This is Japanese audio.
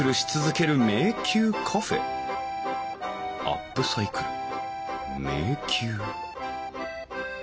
アップサイクル迷宮？